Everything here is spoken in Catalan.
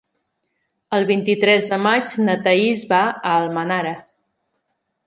El vint-i-tres de maig na Thaís va a Almenara.